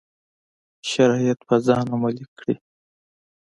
شرایط په ځان عملي کړي.